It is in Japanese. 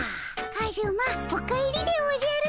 カズマお帰りでおじゃる。